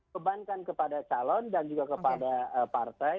bebankan kepada calon dan juga kepada partai